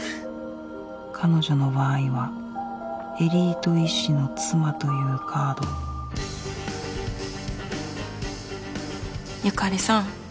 彼女の場合はエリート医師の妻というカード由香里さん